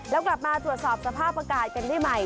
แล้วกลับมาตรวจสอบสภาพอากาศกันได้ใหม่